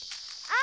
あ！